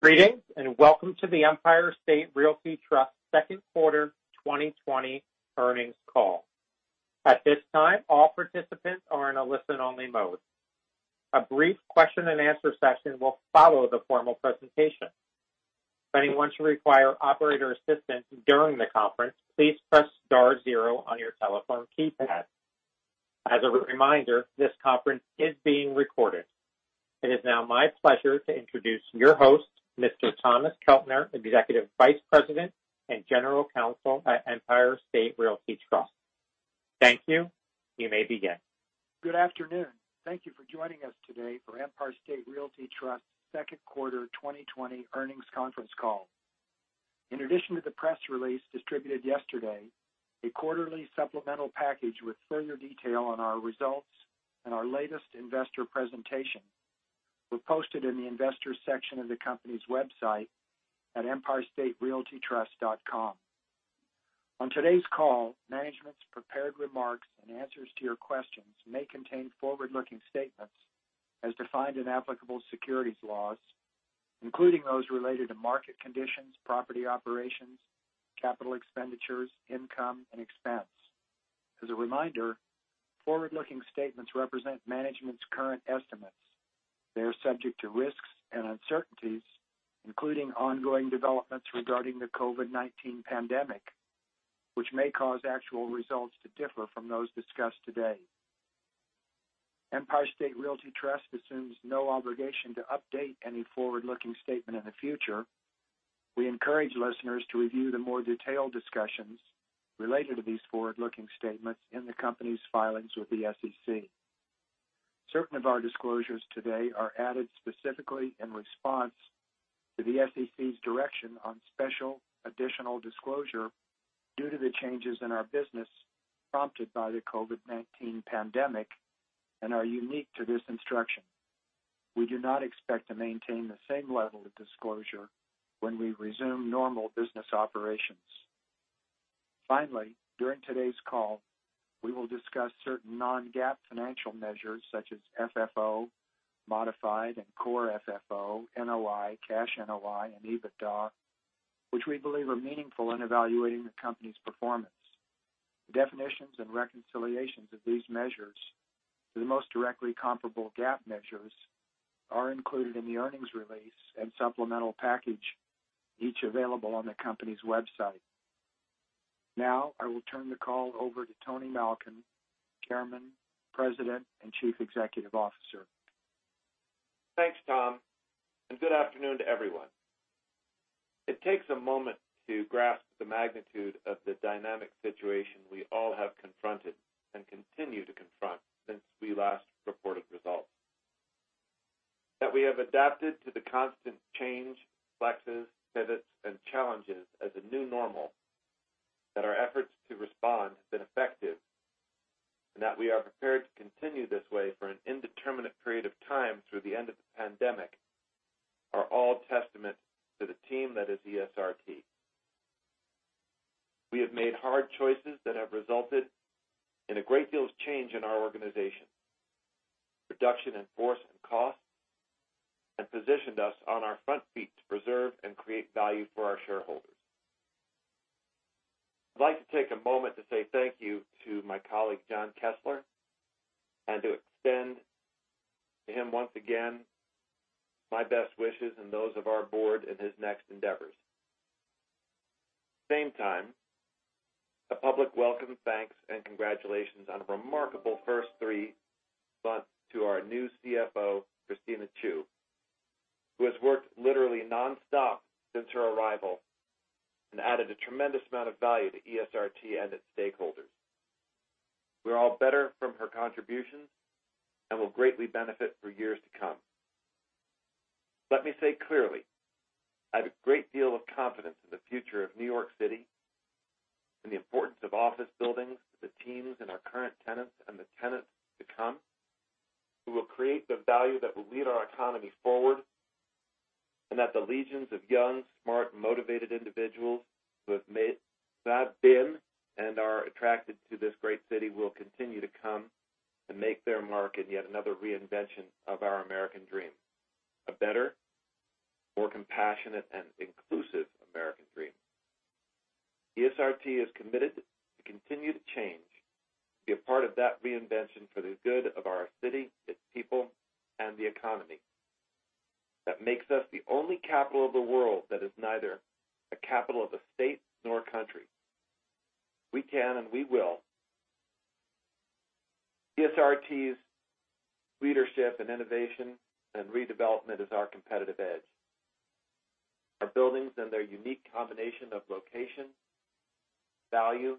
Greetings, and welcome to the Empire State Realty Trust second quarter 2020 earnings call. At this time, all participants are in a listen-only mode. A brief question and answer session will follow the formal presentation. If anyone should require operator assistance during the conference, please press star zero on your telephone keypad. As a reminder, this conference is being recorded. It is now my pleasure to introduce your host, Mr. Thomas Keltner, Executive Vice President and General Counsel at Empire State Realty Trust. Thank you. You may begin. Good afternoon. Thank you for joining us today for Empire State Realty Trust second quarter 2020 earnings conference call. In addition to the press release distributed yesterday, a quarterly supplemental package with further detail on our results and our latest investor presentation were posted in the Investors section of the company's website at empirestaterealtytrust.com. On today's call, management's prepared remarks and answers to your questions may contain forward-looking statements as defined in applicable securities laws, including those related to market conditions, property operations, capital expenditures, income, and expense. As a reminder, forward-looking statements represent management's current estimates. They are subject to risks and uncertainties, including ongoing developments regarding the COVID-19 pandemic, which may cause actual results to differ from those discussed today. Empire State Realty Trust assumes no obligation to update any forward-looking statement in the future. We encourage listeners to review the more detailed discussions related to these forward-looking statements in the company's filings with the SEC. Certain of our disclosures today are added specifically in response to the SEC's direction on special additional disclosure due to the changes in our business prompted by the COVID-19 pandemic and are unique to this instruction. We do not expect to maintain the same level of disclosure when we resume normal business operations. Finally, during today's call, we will discuss certain non-GAAP financial measures such as FFO, modified and core FFO, NOI, cash NOI, and EBITDA, which we believe are meaningful in evaluating the company's performance. The definitions and reconciliations of these measures to the most directly comparable GAAP measures are included in the earnings release and supplemental package, each available on the company's website. Now, I will turn the call over to Tony Malkin, Chairman, President, and Chief Executive Officer. Thanks, Tom. Good afternoon to everyone. It takes a moment to grasp the magnitude of the dynamic situation we all have confronted and continue to confront since we last reported results. That we have adapted to the constant change, flexes, pivots, and challenges as a new normal, that our efforts to respond have been effective, and that we are prepared to continue this way for an indeterminate period of time through the end of the pandemic, are all testament to the team that is ESRT. We have made hard choices that have resulted in a great deal of change in our organization, reduction in force and cost, and positioned us on our front feet to preserve and create value for our shareholders. I'd like to take a moment to say thank you to my colleague, John Kessler, and to extend to him once again my best wishes and those of our board in his next endeavors. At the same time, a public welcome, thanks, and congratulations on a remarkable first three months to our new CFO, Christina Chiu, who has worked literally nonstop since her arrival and added a tremendous amount of value to ESRT and its stakeholders. We're all better from her contributions and will greatly benefit for years to come. Let me say clearly, I have a great deal of confidence in the future of New York City and the importance of office buildings to the teams and our current tenants and the tenants to come, who will create the value that will lead our economy forward, and that the legions of young, smart, motivated individuals who have been and are attracted to this great city will continue to come and make their mark in yet another reinvention of our American dream. A better, more compassionate, and inclusive American dream. ESRT is committed to continue to change, to be a part of that reinvention for the good of our city, its people, and the economy. That makes us the only capital of the world that is neither a capital of the state nor country. We can and we will. ESRT's leadership and innovation and redevelopment is our competitive edge. Our buildings and their unique combination of location, value,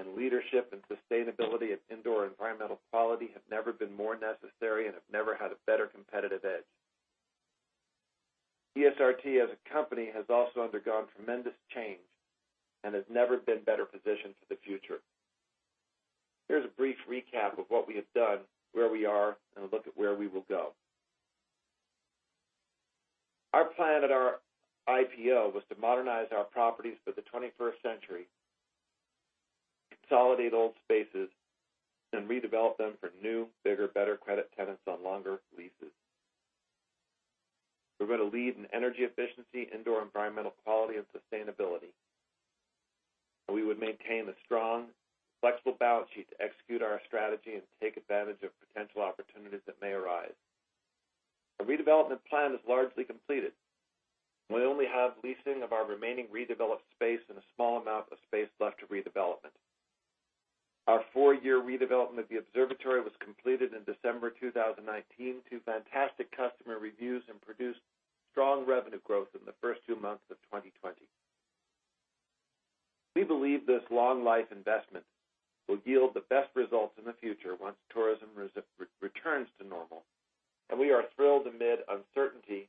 and leadership, and sustainability of indoor environmental quality have never been more necessary and have never had a better competitive edge. ESRT as a company has also undergone tremendous change and has never been better positioned for the future. Here's a brief recap of what we have done, where we are, and a look at where we will go. Our plan at our IPO was to modernize our properties for the 21st century. Consolidate old spaces and redevelop them for new, bigger, better credit tenants on longer leases. We're going to lead in energy efficiency, indoor environmental quality, and sustainability. We would maintain a strong, flexible balance sheet to execute our strategy and take advantage of potential opportunities that may arise. Our redevelopment plan is largely completed. We only have leasing of our remaining redeveloped space and a small amount of space left to redevelop. Our four-year redevelopment of The Observatory was completed in December 2019 to fantastic customer reviews and produced strong revenue growth in the first two months of 2020. We believe this long life investment will yield the best results in the future once tourism returns to normal, and we are thrilled amid uncertainty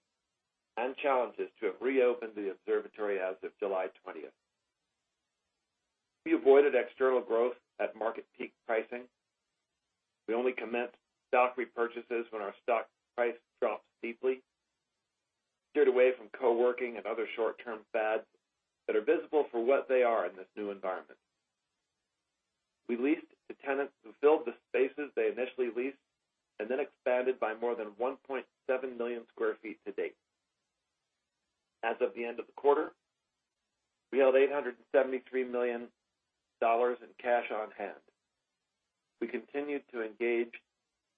and challenges to have reopened The Observatory as of July 20th. We avoided external growth at market peak pricing. We only commenced stock repurchases when our stock price dropped deeply. We steered away from co-working and other short-term fads that are visible for what they are in this new environment. We leased to tenants who filled the spaces they initially leased and then expanded by more than 1.7 million sq ft to date. As of the end of the quarter, we held $873 million in cash on hand. We continued to engage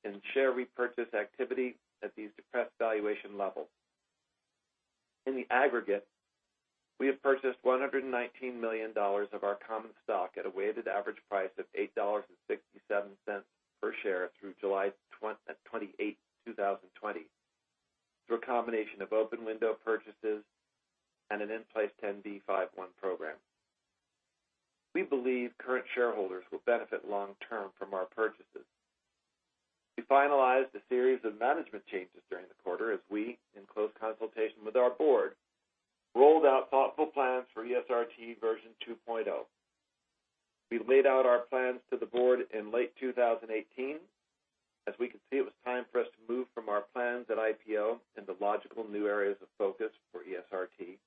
in share repurchase activity at these depressed valuation levels. In the aggregate, we have purchased $119 million of our common stock at a weighted average price of $8.67 per share through July 28th, 2020, through a combination of open window purchases and an in-place 10b5-1 program. We believe current shareholders will benefit long term from our purchases. We finalized a series of management changes during the quarter as we, in close consultation with our board, rolled out thoughtful plans for ESRT version 2.0. We laid out our plans to the board in late 2018, as we could see it was time for us to move from our plans at IPO into logical new areas of focus for ESRT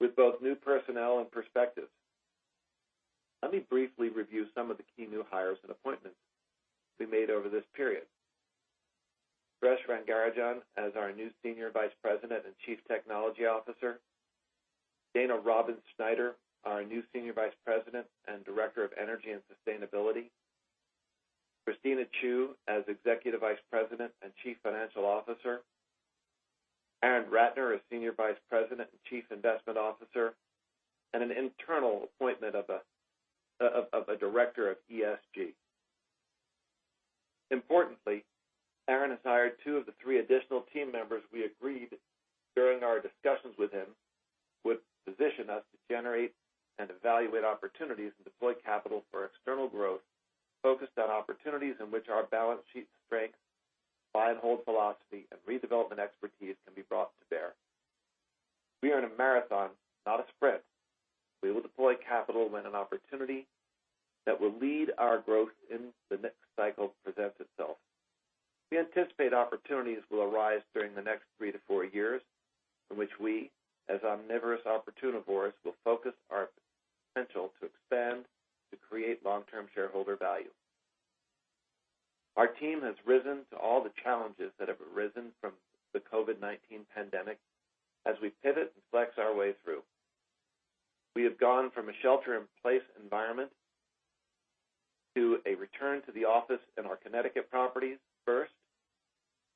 with both new personnel and perspectives. Let me briefly review some of the key new hires and appointments we made over this period. Suresh Rangarajan as our new Senior Vice President and Chief Technology Officer, Dana Robbins Schneider, our new Senior Vice President and Director of Energy and Sustainability, Christina Chiu as Executive Vice President and Chief Financial Officer, Aaron Ratner as Senior Vice President and Chief Investment Officer, and an internal appointment of a Director of ESG. Importantly, Aaron has hired two of the three additional team members we agreed during our discussions with him would position us to generate and evaluate opportunities and deploy capital for external growth focused on opportunities in which our balance sheet strength, buy and hold philosophy, and redevelopment expertise can be brought to bear. We are in a marathon, not a sprint. We will deploy capital when an opportunity that will lead our growth in the next cycle presents itself. We anticipate opportunities will arise during the next three to four years in which we, as omnivorous opportunivores, will focus our potential to expand to create long-term shareholder value. Our team has risen to all the challenges that have arisen from the COVID-19 pandemic as we pivot and flex our way through. We have gone from a shelter in place environment to a return to the office in our Connecticut properties first,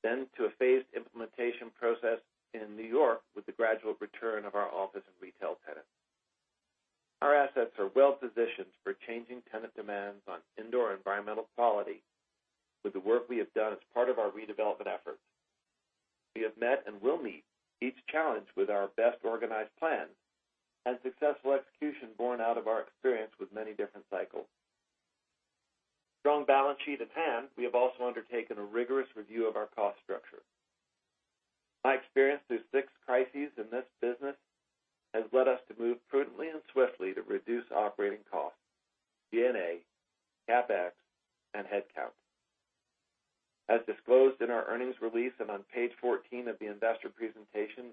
then to a phased implementation process in New York with the gradual return of our office and retail tenants. Our assets are well positioned for changing tenant demands on indoor environmental quality with the work we have done as part of our redevelopment efforts. We have met and will meet each challenge with our best organized plan and successful execution born out of our experience with many different cycles. Strong balance sheet at hand. We have also undertaken a rigorous review of our cost structure. My experience through six crises in this business has led us to move prudently and swiftly to reduce operating costs, G&A, CapEx, and headcount. As disclosed in our earnings release and on page 14 of the investor presentation,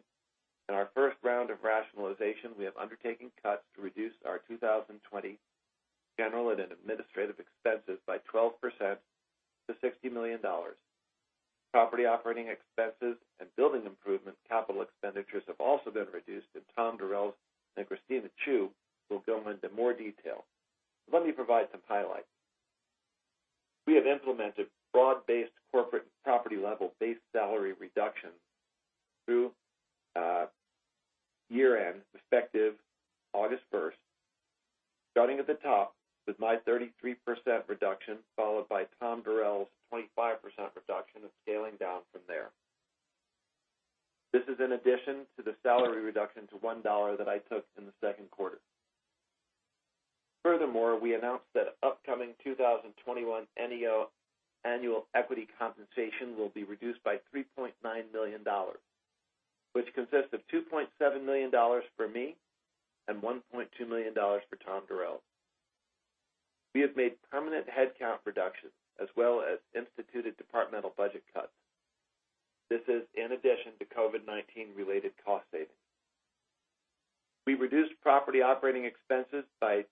in our first round of rationalization, we have undertaken cuts to reduce our 2020 general and administrative expenses by 12% to $60 million. Property operating expenses and building improvement capital expenditures have also been reduced, Tom Durels and Christina Chiu will go into more detail. Let me provide some highlights. We have implemented broad-based corporate property level base salary reductions through year-end, effective August 1st, starting at the top with my 33% reduction, followed by Tom Durels's 25% reduction and scaling down from there. This is in addition to the salary reduction to $1 that I took in the second quarter. We announced that upcoming 2021 NEO annual equity compensation will be reduced by $3.9 million, which consists of $2.7 million for me and $1.2 million for Tom Durels. We have made permanent headcount reductions as well as instituted departmental budget cuts. This is in addition to COVID-19 related cost savings. We reduced property operating expenses by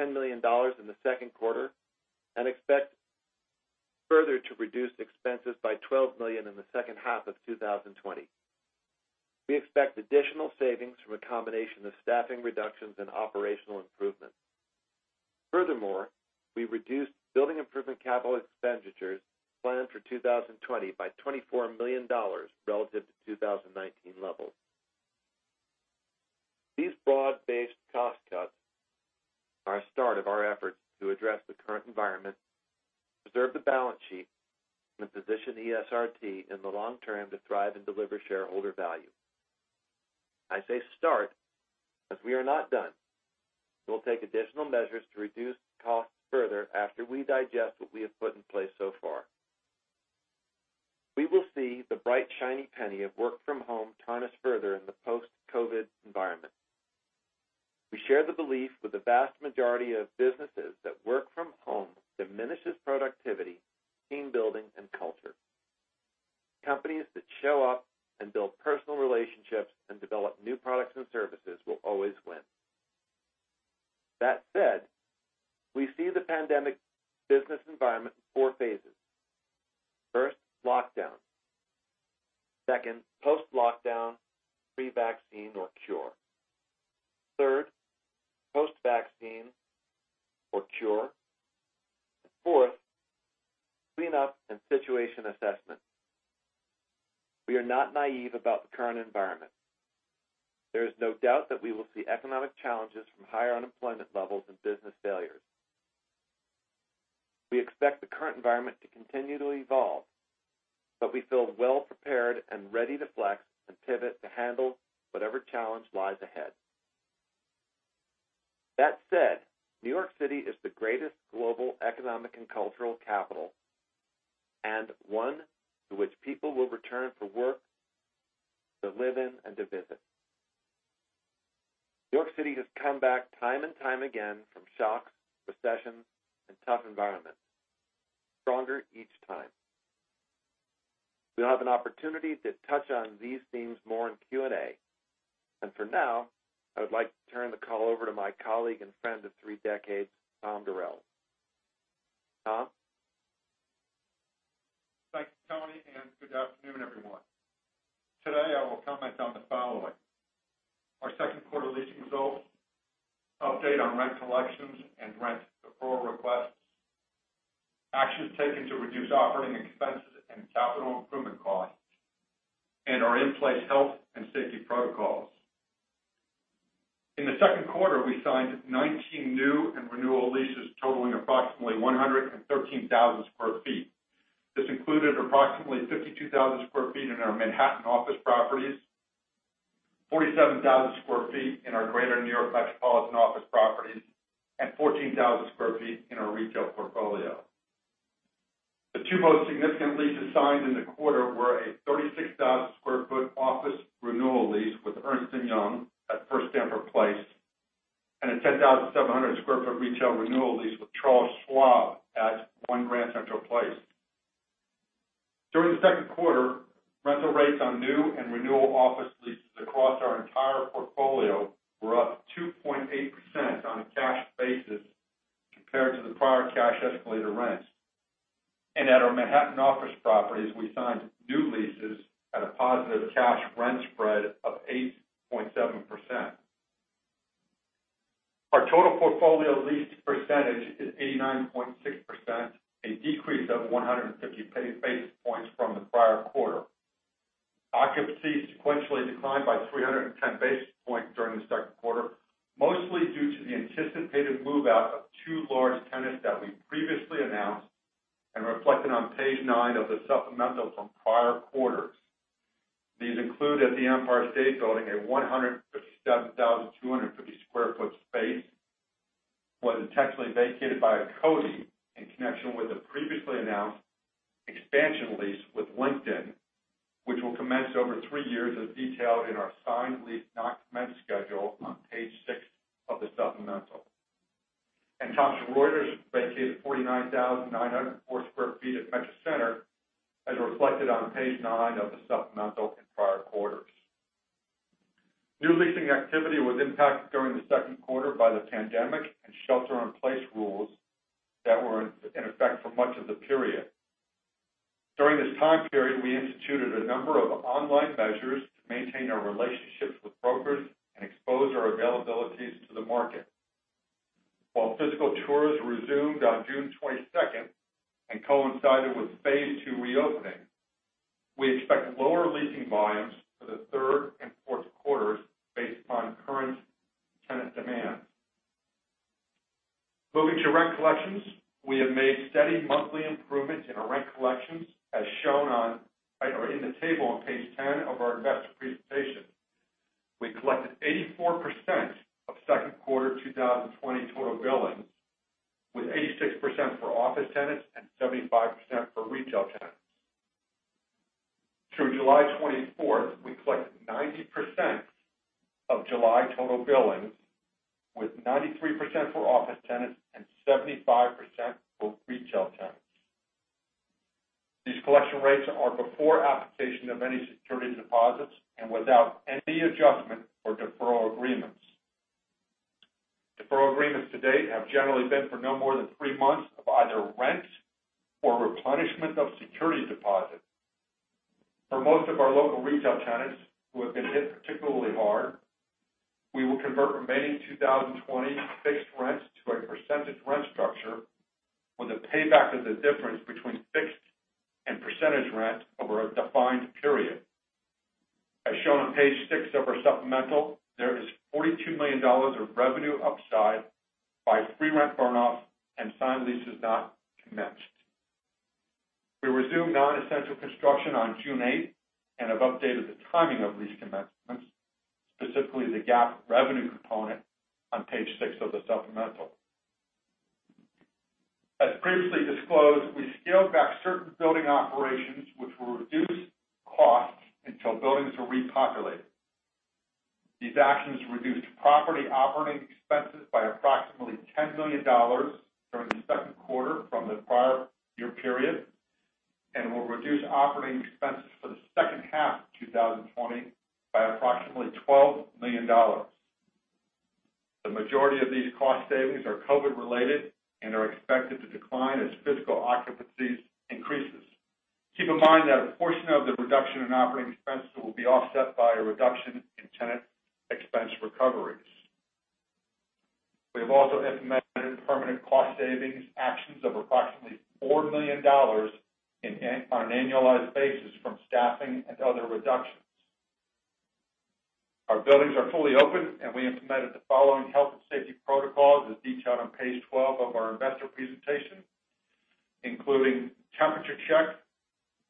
$10 million in the second quarter and expect further to reduce expenses by $12 million in the second half of 2020. We expect additional savings from a combination of staffing reductions and operational improvements. We reduced building improvement capital expenditures planned for 2020 by $24 million relative to 2019 levels. These broad-based cost cuts are a start of our efforts to address the current environment, preserve the balance sheet, and position ESRT in the long term to thrive and deliver shareholder value. I say start, as we are not done. We'll take additional measures to reduce costs further after we digest what we have put in place so far. We will see the bright, shiny penny of work from home taunt us further in the post-COVID environment. We share the belief with the vast majority of businesses that work from home diminishes productivity, team building, and culture. Companies that show up and build personal relationships and develop new products and services will always win. That said, we see the pandemic business environment in four phases. First, lockdown. Second, post-lockdown, pre-vaccine or cure. Third, post-vaccine or cure. Fourth, clean up and situation assessment. We are not naive about the current environment. There is no doubt that we will see economic challenges from higher unemployment levels and business failures. We expect the current environment to continue to evolve, but we feel well prepared and ready to flex and pivot to handle whatever challenge lies ahead. That said, New York City is the greatest global, economic, and cultural capital, and one to which people will return for work, to live in, and to visit. New York City has come back time and time again from shocks, recessions, and tough environments, stronger each time. We'll have an opportunity to touch on these themes more in Q&A. For now, I would like to turn the call over to my colleague and friend of three decades, Tom Durels. Tom? Thanks, Tony. Good afternoon, everyone. Today I will comment on the following: Our second quarter leasing results, update on rent collections and rent deferral requests, actions taken to reduce operating expenses and capital improvement costs, and our in-place health and safety protocols. In the second quarter, we signed 19 new and renewal leases totaling approximately 113,000 sq ft. This included approximately 52,000 sq ft in our Manhattan office properties, 47,000 sq ft in our greater New York metropolitan office properties, and 14,000 sq ft in our retail portfolio. The two most significant leases signed in the quarter were a 36,000 sq ft office renewal lease with Ernst & Young at First Stamford Place, and a 10,700 sq ft retail renewal lease with Charles Schwab at One Grand Central Place. During the second quarter, rental rates on new and renewal office leases across our entire portfolio were up 2.8% on a cash basis compared to the prior cash escalated rents. At our Manhattan office properties, we signed new leases at a positive cash rent spread of 8.7%. Our total portfolio lease percentage is 89.6%, a decrease of 150 basis points from the prior quarter. Occupancy sequentially declined by 310 basis points during the second quarter, mostly due to the anticipated move-out of two large tenants that we previously announced and reflected on page nine of the supplemental from prior quarters. These include at the Empire State Building, a 157,250 sq ft space was intentionally vacated by Coty in connection with the previously announced expansion lease with LinkedIn, which will commence over three years as detailed in our signed lease not commenced schedule on page six of the supplemental. Thomson Reuters vacated 49,904 sq ft at MetroCenter, as reflected on page nine of the supplemental in prior quarters. New leasing activity was impacted during the second quarter by the pandemic and shelter-in-place rules that were in effect for much of the period. During this time period, we instituted a number of online measures to maintain our relationships with brokers and expose our availabilities to the market. While physical tours resumed on June 22nd and coincided with phase two reopening, we expect lower leasing volumes for the third and fourth quarters based on current tenant demand. Moving to rent collections. We have made steady monthly improvements in our rent collections, as shown in the table on page 10 of our investor presentation. We collected 84% of second quarter 2020 total billings, with 86% for office tenants and 75% for retail tenants. Through July 24th, we collected 90% of July total billings, with 93% for office tenants and 75% for retail tenants. These collection rates are before application of any security deposits and without any adjustment for deferral agreements. Deferral agreements to date have generally been for no more than three months of either rent or replenishment of security deposit. For most of our local retail tenants who have been hit particularly hard, we will convert remaining 2020 fixed rents to a percentage rent structure with a payback of the difference between fixed and percentage rent over a defined period. As shown on page six of our supplemental, there is $42 million of revenue upside by free rent burn-off and signed leases not commenced. We resumed non-essential construction on June 8th and have updated the timing of lease commencements, specifically the GAAP revenue component on page six of the supplemental. As previously disclosed, we scaled back certain building operations which will reduce costs until buildings are repopulated. These actions reduced property operating expenses by approximately $10 million during the second quarter from the prior year period, and will reduce operating expenses for the second half of 2020 by approximately $12 million. The majority of these cost savings are COVID related and are expected to decline as physical occupancies increases. Keep in mind that a portion of the reduction in operating expenses will be offset by a reduction in tenant expense recoveries. We have also implemented permanent cost savings actions of approximately $4 million on an annualized basis from staffing and other reductions. Our buildings are fully open, and we implemented the following health and safety protocols as detailed on page 12 of our investor presentation, including temperature check,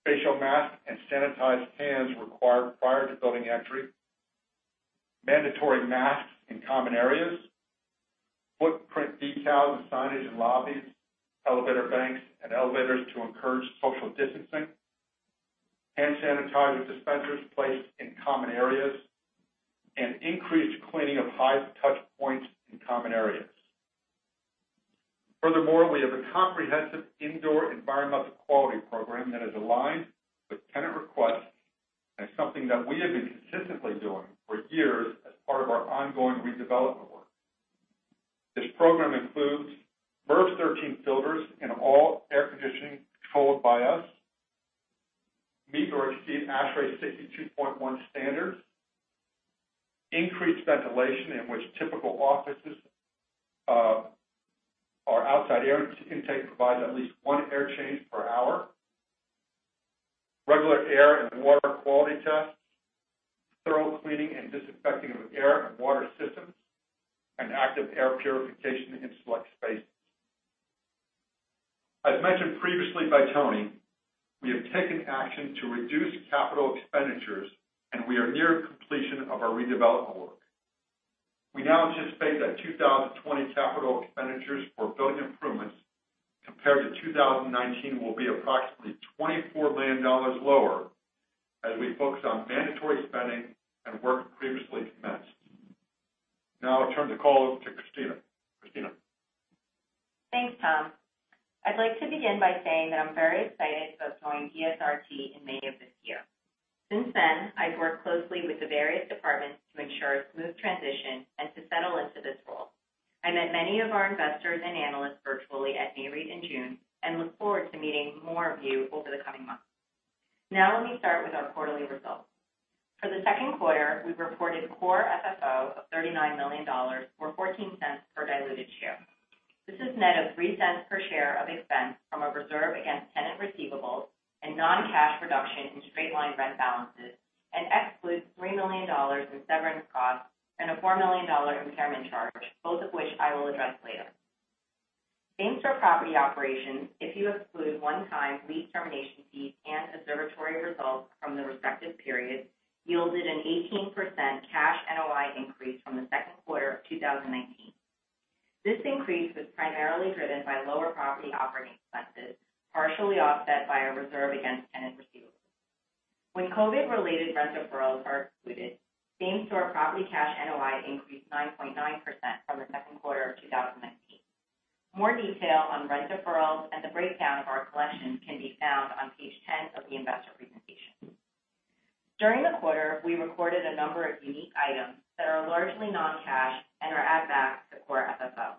facial mask, and sanitized hands required prior to building entry, mandatory masks in common areas, footprint decals and signage in lobbies, elevator banks, and elevators to encourage social distancing, hand sanitizer dispensers placed in common areas, and increased cleaning of high touch points in common areas. Furthermore, we have a comprehensive indoor environmental quality program that is aligned with tenant requests and is something that we have been consistently doing for years as part of our ongoing redevelopment work. This program includes MERV 13 filters in all air conditioning controlled by us, meet or exceed ASHRAE 62.1 standards, increased ventilation in which typical offices, our outside air intake provides at least one air change per hour, regular air and water quality tests, thorough cleaning and disinfecting of air and water systems, and active air purification in select spaces. As mentioned previously by Tony, we have taken action to reduce capital expenditures, we are near completion of our redevelopment work. We now anticipate that 2020 capital expenditures for building improvements compared to 2019 will be approximately $24 million lower as we focus on mandatory spending and work previously commenced. I'll turn the call over to Christina. Christina? Thanks, Tom. I'd like to begin by saying that I'm very excited about joining ESRT in May of this year. Since then, I've worked closely with the various departments to ensure a smooth transition and to settle into this role. I met many of our investors and analysts virtually at Nareit in June, and look forward to meeting more of you over the coming months. Let me start with our quarterly results. For the second quarter, we've reported core FFO of $39 million, or $0.14 per diluted share. This is net of $0.03 per share of expense from a reserve against tenant receivables and non-cash reduction in straight-line rent balances and excludes $3 million in severance costs and a $4 million impairment charge, both of which I will address later. Same-store property operations, if you exclude one-time lease termination fees and The Observatory results from the respective periods, yielded an 18% cash NOI increase from the second quarter of 2019. This increase was primarily driven by lower property operating expenses, partially offset by a reserve against tenant receivables. When COVID related rent deferrals are excluded, same-store property cash NOI increased 9.9% from the second quarter of 2019. More detail on rent deferrals and the breakdown of our collections can be found on page 10 of the investor presentation. During the quarter, we recorded a number of unique items that are largely non-cash and are add back to core FFO.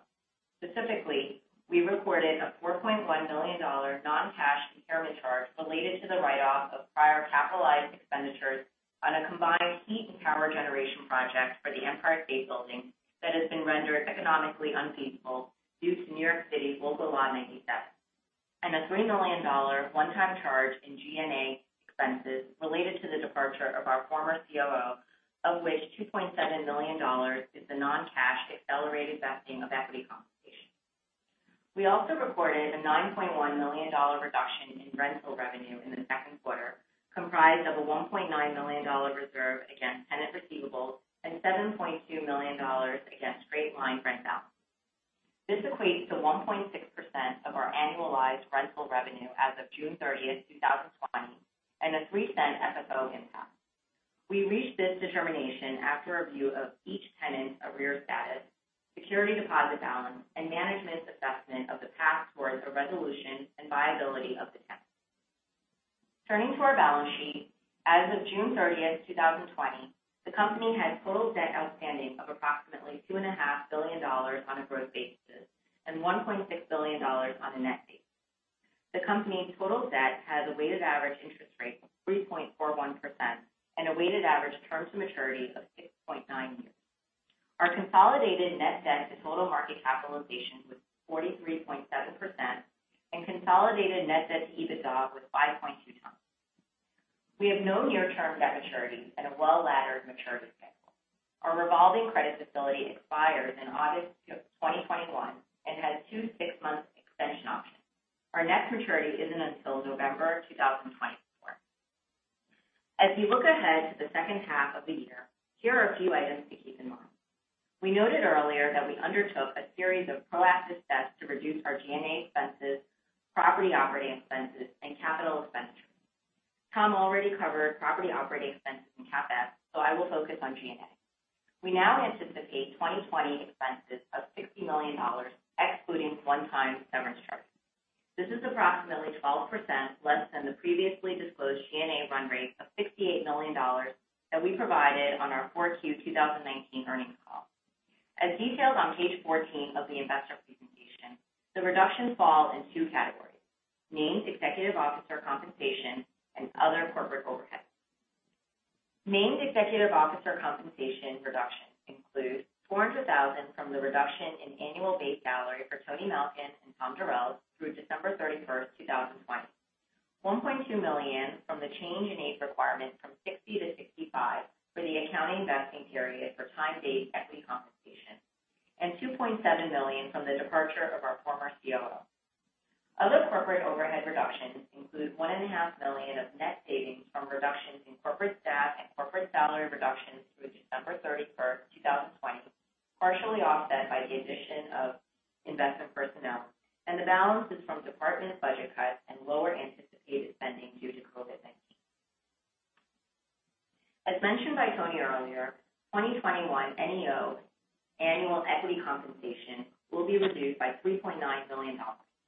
Specifically, we recorded a $4.1 million non-cash impairment charge related to the write-off of prior capitalized expenditures on a combined heat and power generation project for the Empire State Building that has been rendered economically unfeasible due to New York City Local Law 97, and a $3 million one-time charge in G&A expenses related to the departure of our former COO, of which $2.7 million is the non-cash accelerated vesting of equity compensation. We also recorded a $9.1 million reduction in rental revenue in the second quarter, comprised of a $1.9 million reserve against tenant receivables and $7.2 million against straight-line rent balance. This equates to 1.6% of our annualized rental revenue as of June 30th, 2020, and a $0.03 FFO impact. We reached this determination after a review of each tenant's arrears status, security deposit balance, and management's assessment of the path towards a resolution and viability of the tenant. Turning to our balance sheet, as of June 30th, 2020, the company had total debt outstanding of approximately $2.5 billion on a gross basis and $1.6 billion on a net basis. The company's total debt has a weighted average interest rate of 3.41% and a weighted average term to maturity of 6.9. Our consolidated net debt to total market capitalization was 43.7% and consolidated net debt to EBITDA was 5.2x. We have no near-term debt maturity and a well-laddered maturity schedule. Our revolving credit facility expires in August 2021 and has two six-month extension options. Our next maturity isn't until November 2024. As we look ahead to the second half of the year, here are a few items to keep in mind. We noted earlier that we undertook a series of proactive steps to reduce our G&A expenses, property operating expenses, and capital expenditures. Tom already covered property operating expenses and CapEx, I will focus on G&A. We now anticipate 2020 expenses of $60 million, excluding one-time severance charges. This is approximately 12% less than the previously disclosed G&A run rate of $68 million that we provided on our 4Q 2019 earnings call. As detailed on page 14 of the investor presentation, the reductions fall in two categories, named executive officer compensation and other corporate overheads. Named executive officer compensation reduction includes $400,000 from the reduction in annual base salary for Tony Malkin and Tom Durels through December 31st, 2020, $1.2 million from the change in age requirement from 60 to 65 for the accounting vesting period for time-based equity compensation, and $2.7 million from the departure of our former COO. Other corporate overhead reductions include $1.5 million of net savings from reductions in corporate staff and corporate salary reductions through December 31st, 2020, partially offset by the addition of investment personnel. The balance is from department budget cuts and lower anticipated spending due to COVID-19. As mentioned by Tony earlier, 2021 NEO annual equity compensation will be reduced by $3.9 million.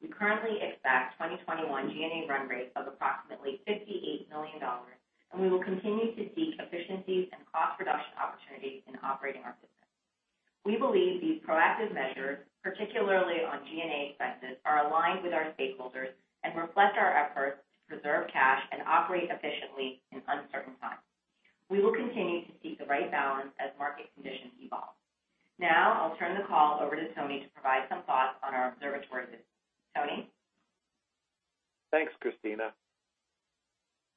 We currently expect 2021 G&A run rate of approximately $58 million. We will continue to seek efficiencies and cost reduction opportunities in operating our business. We believe these proactive measures, particularly on G&A expenses, are aligned with our stakeholders and reflect our efforts to preserve cash and operate efficiently in uncertain times. We will continue to seek the right balance as market conditions evolve. I'll turn the call over to Tony to provide some thoughts on our Observatory business. Tony? Thanks, Christina.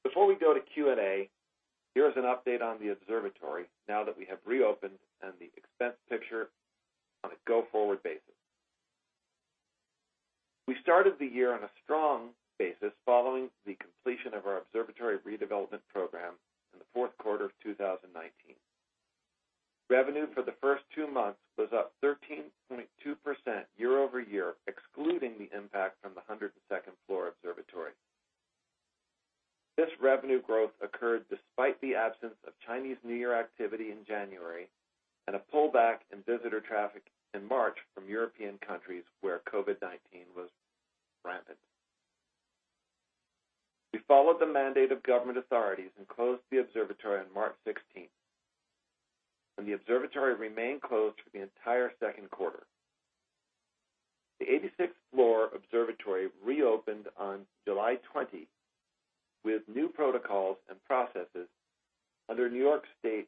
Before we go to Q&A, here's an update on the Observatory now that we have reopened and the expense picture on a go-forward basis. We started the year on a strong basis following the completion of our Observatory redevelopment program in the fourth quarter of 2019. Revenue for the first two months was up 13.2% year-over-year, excluding the impact from the 102nd floor Observatory. This revenue growth occurred despite the absence of Chinese New Year activity in January and a pullback in visitor traffic in March from European countries where COVID-19 was rampant. We followed the mandate of government authorities and closed the Observatory on March 16th, and the Observatory remained closed for the entire second quarter. The 86th floor Observatory reopened on July 20 with new protocols and processes under New York State's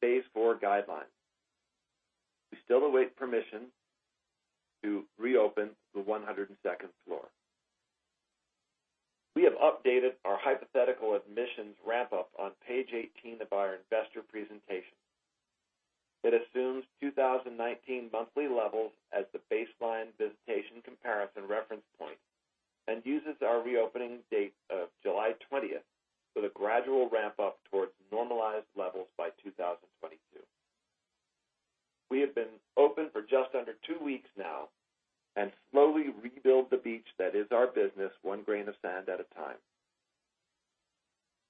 phase IV guidelines. We still await permission to reopen the 102nd floor. We have updated our hypothetical admissions ramp-up on page 18 of our investor presentation. It assumes 2019 monthly levels as the baseline visitation comparison reference point and uses our reopening date of July 20th with a gradual ramp-up towards normalized levels by 2022. We have been open for just under two weeks now and slowly rebuild the beach that is our business one grain of sand at a time.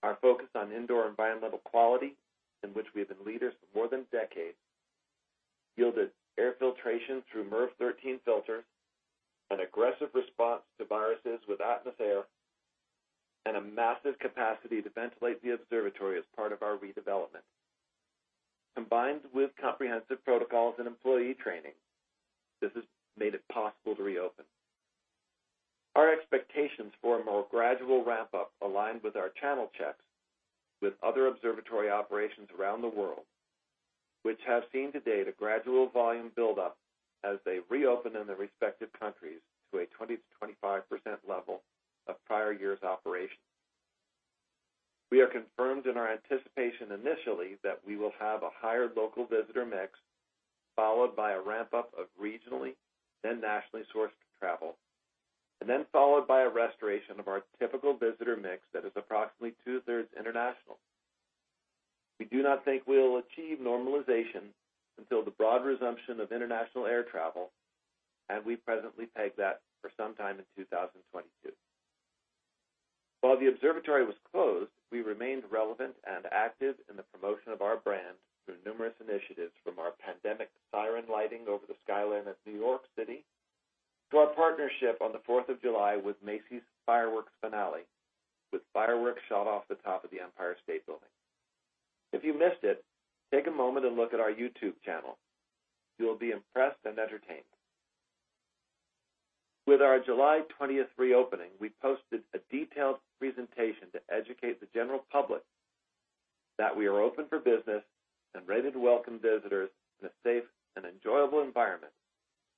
Our focus on indoor environmental quality, in which we have been leaders for more than a decade, yielded air filtration through MERV 13 filters, an aggressive response to viruses with AtmosAir, and a massive capacity to ventilate the Observatory as part of our redevelopment. Combined with comprehensive protocols and employee training, this has made it possible to reopen. Our expectations for a more gradual ramp-up aligned with our channel checks with other Observatory operations around the world, which have seen to date a gradual volume buildup as they reopen in their respective countries to a 20%-25% level of prior year's operation. We are confirmed in our anticipation initially that we will have a higher local visitor mix, followed by a ramp-up of regionally then nationally sourced travel, and then followed by a restoration of our typical visitor mix that is approximately 2/3 international. We do not think we'll achieve normalization until the broad resumption of international air travel, and we presently peg that for some time in 2022. While the Observatory was closed, we remained relevant and active in the promotion of our brand through numerous initiatives from our pandemic siren lighting over the skyline of New York City, to our partnership on the 4th of July with Macy's fireworks finale, with fireworks shot off the top of the Empire State Building. If you missed it, take a moment and look at our YouTube channel. You'll be impressed and entertained. With our July 20th reopening, we posted a detailed presentation to educate the general public that we are open for business and ready to welcome visitors in a safe and enjoyable environment,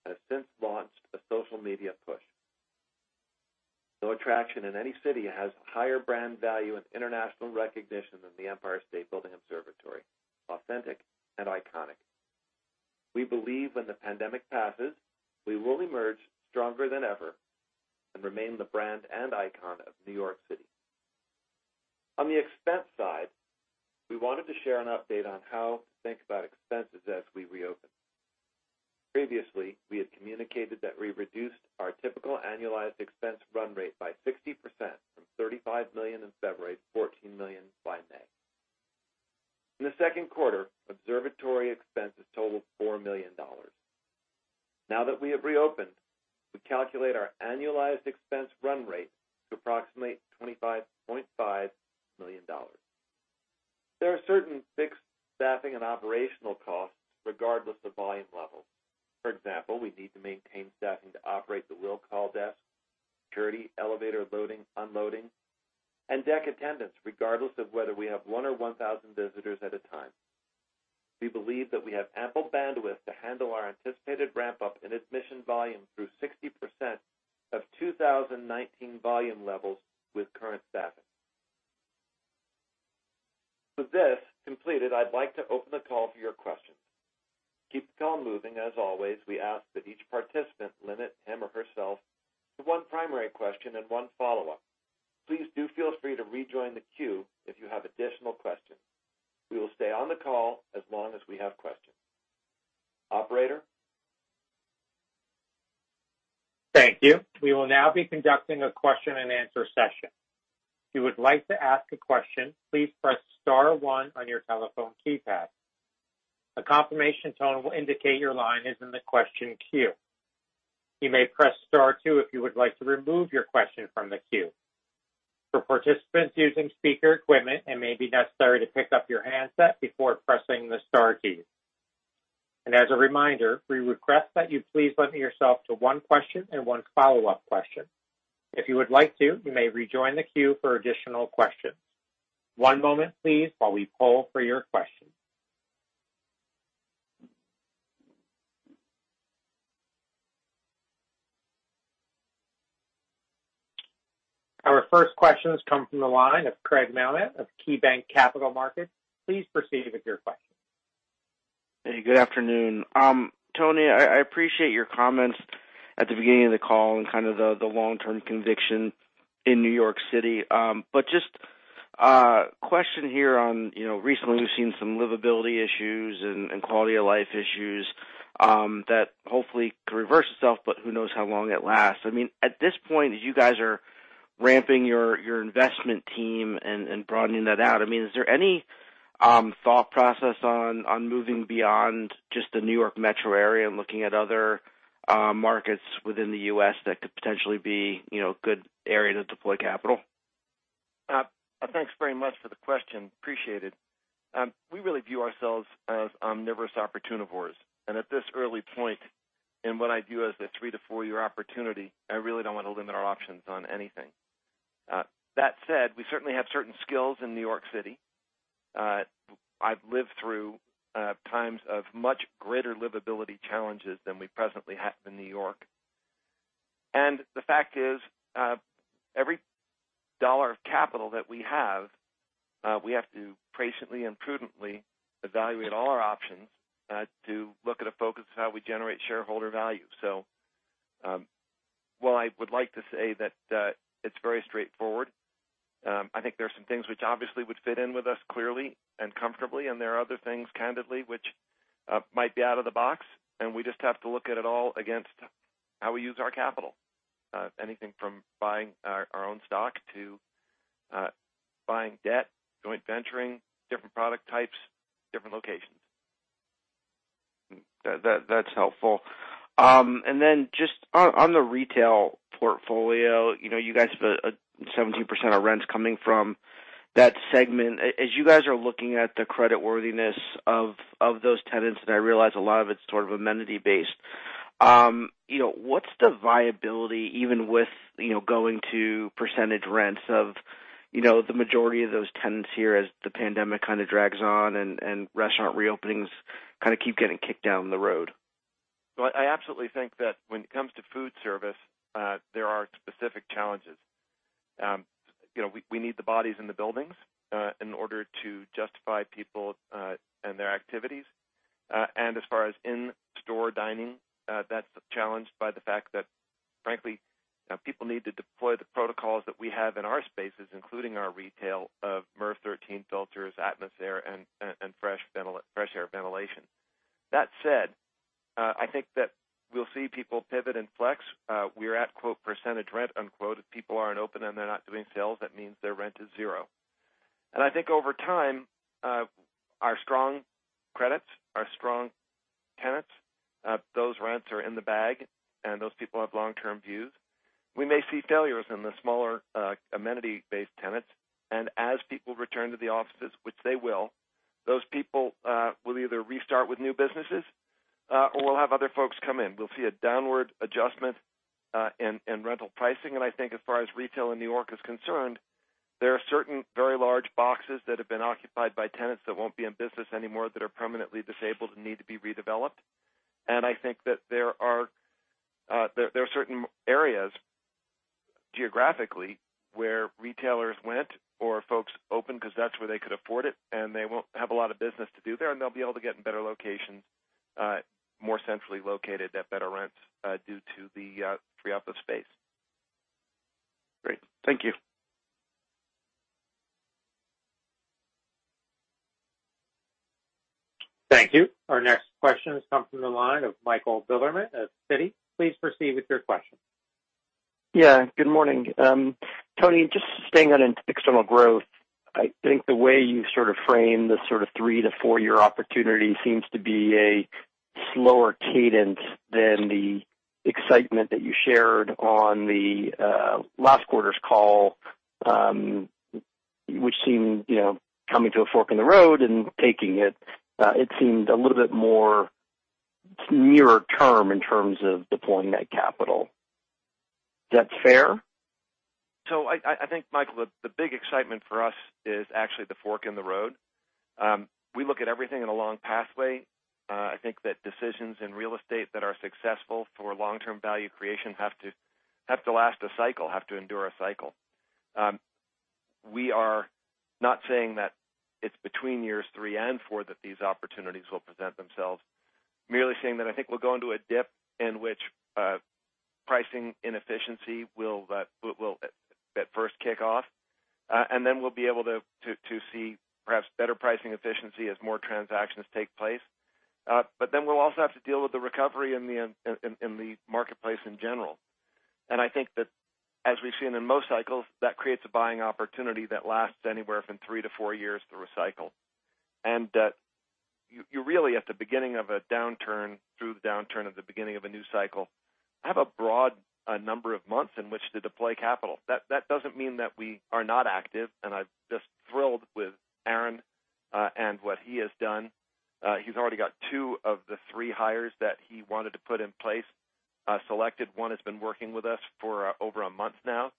and have since launched a social media push. No attraction in any city has a higher brand value and international recognition than the Empire State Building Observatory, authentic and iconic. We believe when the pandemic passes, we will emerge stronger than ever and remain the brand and icon of New York City. On the expense side, we wanted to share an update on how to think about expenses as we reopen. Previously, we had communicated that we reduced our typical annualized expense run rate by 60% from $35 million in February, to $14 million by May. In the second quarter, observatory expenses totaled $4 million. Now that we have reopened, we calculate our annualized expense run rate to approximately $25.5 million. There are certain fixed staffing and operational costs regardless of volume level. For example, we need to maintain staffing to operate the will call desk, security, elevator loading, unloading, and deck attendants, regardless of whether we have one or 1,000 visitors at a time. We believe that we have ample bandwidth to handle our anticipated ramp-up in admission volume through 60% of 2019 volume levels with current staffing. With this completed, I'd like to open the call to your questions. To keep the call moving, as always, we ask that each participant limit him or herself to one primary question and one follow-up. Please do feel free to rejoin the queue if you have additional questions. We will stay on the call as long as we have questions. Operator? Thank you. We will now be conducting a question and answer session. If you would like to ask a question, please press star one on your telephone keypad. A confirmation tone will indicate your line is in the question queue. You may press star two if you would like to remove your question from the queue. For participants using speaker equipment, it may be necessary to pick up your handset before pressing the star key. As a reminder, we request that you please limit yourself to one question and one follow-up question. If you would like to, you may rejoin the queue for additional questions. One moment please while we poll for your questions. Our first question comes from the line of Craig Mailman of KeyBanc Capital Markets. Please proceed with your question. Hey, good afternoon. Tony, I appreciate your comments at the beginning of the call and kind of the long-term conviction in New York City. Just a question here on, recently we've seen some livability issues and quality of life issues that hopefully can reverse itself, but who knows how long it lasts. I mean, at this point, as you guys are ramping your investment team and broadening that out, is there any thought process on moving beyond just the New York metro area and looking at other markets within the U.S. that could potentially be a good area to deploy capital? Thanks very much for the question. Appreciate it. We really view ourselves as omnivorous opportunivores. At this early point in what I view as the three to four year opportunity, I really don't want to limit our options on anything. That said, we certainly have certain skills in New York City. I've lived through times of much greater livability challenges than we presently have in New York. The fact is, every dollar of capital that we have, we have to patiently and prudently evaluate all our options to look at a focus of how we generate shareholder value. While I would like to say that it's very straightforward, I think there are some things which obviously would fit in with us clearly and comfortably, and there are other things, candidly, which might be out of the box, and we just have to look at it all against how we use our capital, anything from buying our own stock to buying debt, joint venturing, different product types, different locations. That's helpful. Just on the retail portfolio, you guys have 17% of rents coming from that segment. As you guys are looking at the creditworthiness of those tenants, and I realize a lot of it's sort of amenity-based, what's the viability, even with going to percentage rents of the majority of those tenants here as the pandemic kind of drags on and restaurant reopenings kind of keep getting kicked down the road? Well, I absolutely think that when it comes to food service, there are specific challenges. We need the bodies in the buildings in order to justify people and their activities. As far as in-store dining, that's challenged by the fact that, frankly, people need to deploy the protocols that we have in our spaces, including our retail of MERV 13 filters, AtmosAir, and fresh air ventilation. That said, I think that we'll see people pivot and flex. We're at "percentage rent." If people aren't open and they're not doing sales, that means their rent is 0. I think over time, our strong credits, our strong tenants, those rents are in the bag, and those people have long-term views. We may see failures in the smaller amenity-based tenants. As people return to the offices, which they will, those people will either restart with new businesses, or we'll have other folks come in. We'll see a downward adjustment in rental pricing. I think as far as retail in New York is concerned, there are certain very large boxes that have been occupied by tenants that won't be in business anymore, that are permanently disabled and need to be redeveloped. I think that there are certain areas geographically where retailers went or folks opened because that's where they could afford it, and they won't have a lot of business to do there, and they'll be able to get in better locations, more centrally located at better rents, due to the free up of space. Great. Thank you. Thank you. Our next question has come from the line of Michael Bilerman at Citi. Please proceed with your question. Yeah. Good morning. Tony, just staying on external growth. I think the way you sort of frame the sort of three to four-year opportunity seems to be a slower cadence than the excitement that you shared on the last quarter's call, which seemed coming to a fork in the road and taking it. It seemed a little bit more nearer term in terms of deploying that capital. Is that fair? I think, Michael, the big excitement for us is actually the fork in the road. We look at everything in a long pathway. I think that decisions in real estate that are successful for long-term value creation have to last a cycle, have to endure a cycle. We are not saying that it's between years three and four that these opportunities will present themselves. Merely saying that I think we'll go into a dip in which pricing inefficiency will at first kick off. Then we'll be able to see perhaps better pricing efficiency as more transactions take place. Then we'll also have to deal with the recovery in the marketplace in general. I think that as we've seen in most cycles, that creates a buying opportunity that lasts anywhere from three to four years through a cycle. That you're really at the beginning of a downturn, through the downturn of the beginning of a new cycle, have a broad number of months in which to deploy capital. That doesn't mean that we are not active, and I'm just thrilled with Aaron, and what he has done. He's already got two of the three hires that he wanted to put in place selected. One has been working with us for over a month now.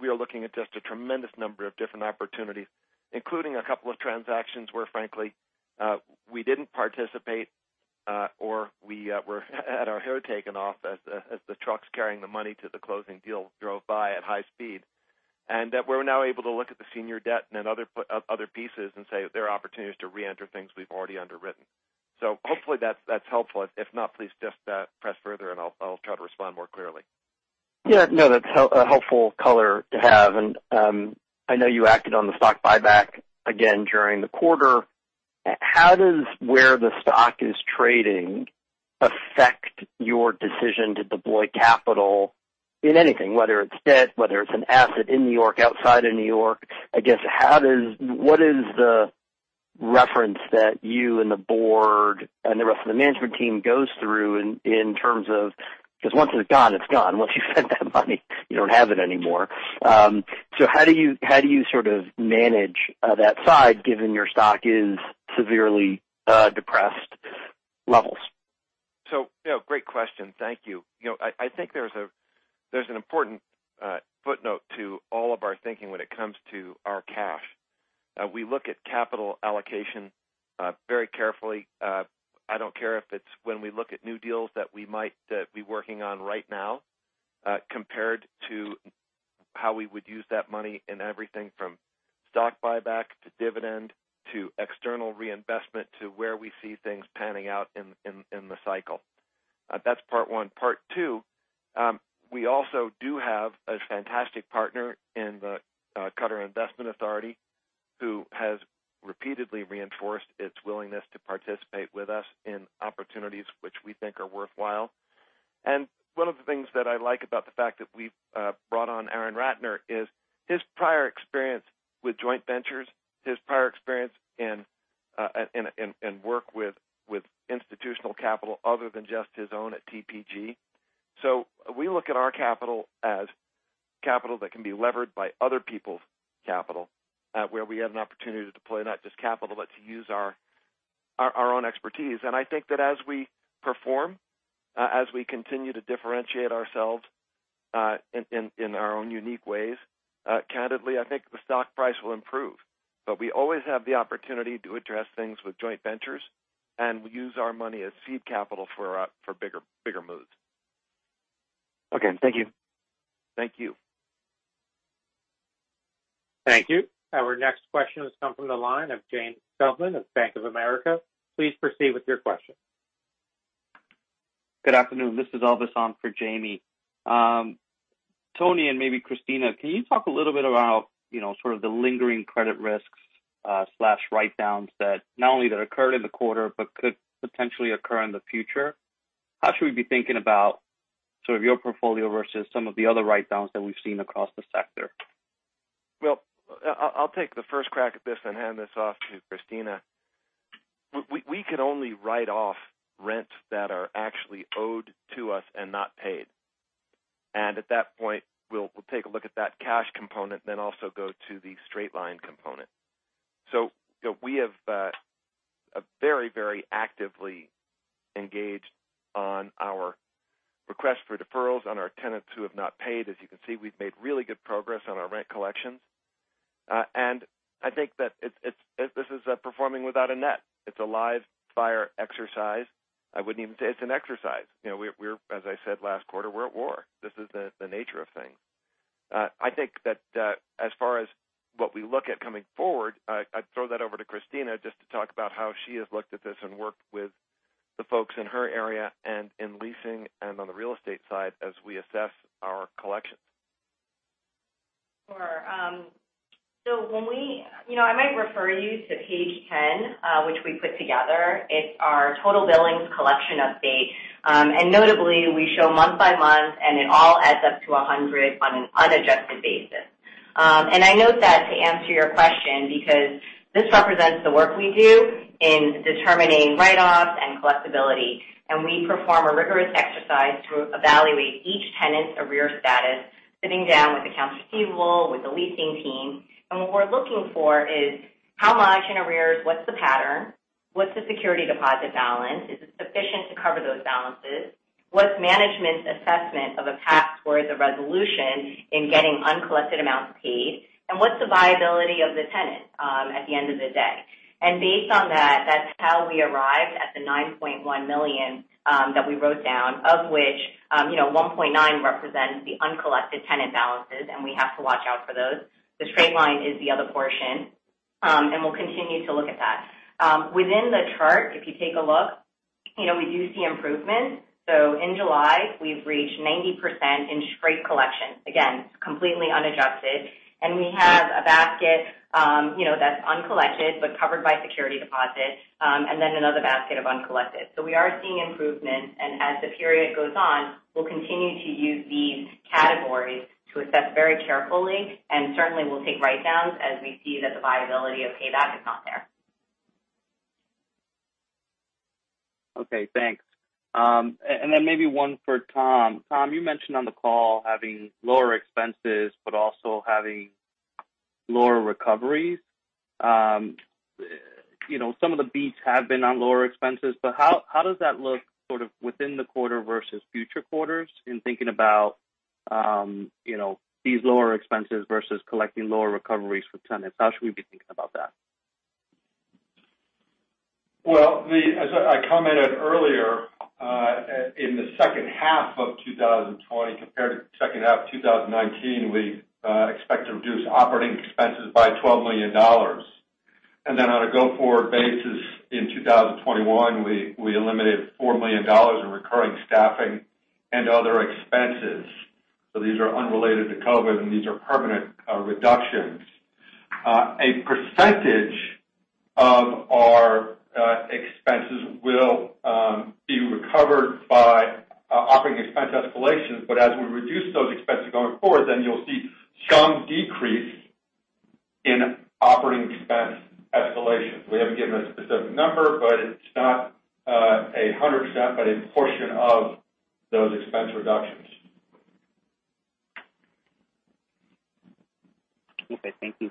We are looking at just a tremendous number of different opportunities, including a couple of transactions where, frankly, we didn't participate, or we were had our hair taken off as the trucks carrying the money to the closing deal drove by at high speed. That we're now able to look at the senior debt and other pieces and say there are opportunities to reenter things we've already underwritten. Hopefully that's helpful. If not, please just press further and I'll try to respond more clearly. Yeah. No, that's a helpful color to have. I know you acted on the stock buyback again during the quarter. How does where the stock is trading affect your decision to deploy capital in anything, whether it's debt, whether it's an asset in New York, outside of New York? I guess, what is the reference that you and the board and the rest of the management team goes through in terms of Because once it's gone, it's gone. Once you've spent that money, you don't have it anymore. How do you sort of manage that side given your stock is severely depressed levels? Great question. Thank you. I think there's an important footnote to all of our thinking when it comes to our cash. We look at capital allocation very carefully. I don't care if it's when we look at new deals that we might be working on right now, compared to how we would use that money in everything from stock buyback to dividend to external reinvestment to where we see things panning out in the cycle. That's part one. Part two, we also do have a fantastic partner in the Qatar Investment Authority, who has repeatedly reinforced its willingness to participate with us in opportunities which we think are worthwhile. One of the things that I like about the fact that we've brought on Aaron Ratner is his prior experience with joint ventures, his prior experience in work with institutional capital other than just his own at TPG. We look at our capital as capital that can be levered by other people's capital, where we have an opportunity to deploy not just capital, but to use our own expertise. I think that as we perform, as we continue to differentiate ourselves in our own unique ways, candidly, I think the stock price will improve. We always have the opportunity to address things with joint ventures, and we use our money as seed capital for bigger moves. Okay. Thank you. Thank you. Thank you. Our next question has come from the line of Jamie Feldman of Bank of America. Please proceed with your question. Good afternoon. This is Elvis on for Jamie. Tony, maybe Christina, can you talk a little bit about sort of the lingering credit risks/write-downs that not only occurred in the quarter, but could potentially occur in the future? How should we be thinking about sort of your portfolio versus some of the other write-downs that we've seen across the sector? Well, I'll take the first crack at this and hand this off to Christina. We can only write off rents that are actually owed to us and not paid. At that point, we'll take a look at that cash component, then also go to the straight line component. We have very actively engaged on our request for deferrals on our tenants who have not paid. As you can see, we've made really good progress on our rent collections. I think that this is performing without a net. It's a live fire exercise. I wouldn't even say it's an exercise. As I said last quarter, we're at war. This is the nature of things. I think that as far as what we look at coming forward, I'd throw that over to Christina just to talk about how she has looked at this and worked with the folks in her area and in leasing and on the real estate side as we assess our collections. Sure. I might refer you to page 10, which we put together. It's our total billings collection update. Notably, we show month by month, and it all adds up to 100 on an unadjusted basis. I note that to answer your question, because this represents the work we do in determining write-offs and collectability, and we perform a rigorous exercise to evaluate each tenant's arrear status, sitting down with accounts receivable, with the leasing team. What we're looking for is how much in arrears, what's the pattern, what's the security deposit balance? Is it sufficient to cover those balances? What's management's assessment of a path towards a resolution in getting uncollected amounts paid? What's the viability of the tenant at the end of the day? Based on that's how we arrived at the $9.1 million that we wrote down, of which $1.9 represents the uncollected tenant balances, and we have to watch out for those. The straight line is the other portion, and we'll continue to look at that. Within the chart, if you take a look, we do see improvement. In July, we've reached 90% in straight collections. Again, completely unadjusted. We have a basket that's uncollected but covered by security deposits, and then another basket of uncollected. We are seeing improvement, and as the period goes on, we'll continue to use these categories to assess very carefully, and certainly we'll take write-downs as we see that the viability of payback is not there. Okay, thanks. Maybe one for Tom. Tom, you mentioned on the call having lower expenses but also having lower recoveries. Some of the beats have been on lower expenses, but how does that look sort of within the quarter versus future quarters in thinking about these lower expenses versus collecting lower recoveries for tenants? How should we be thinking about that? Well, as I commented earlier, in the second half of 2020 compared to second half of 2019, we expect to reduce operating expenses by $12 million. On a go-forward basis in 2021, we eliminated $4 million in recurring staffing and other expenses. These are unrelated to COVID-19, and these are permanent reductions. A percentage of our expenses will be recovered by operating expense escalation, but as we reduce those expenses going forward, then you'll see some decrease in operating expense escalation. We haven't given a specific number, but it's not 100%, but a portion of those expense reductions. Okay, thank you.